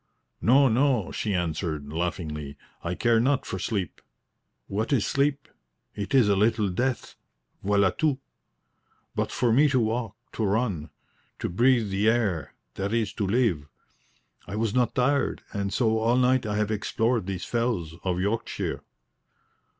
"No, no," she answered, laughingly, "I care not for sleep. What is sleep? it is a little death voila tout. But for me to walk, to run, to beathe the air that is to live. I was not tired, and so all night I have explored these fells of Yorkshire."